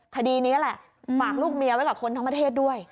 คดีนี้แหละฝากลูกเมียไว้กับคนทั้งประเทศด้วย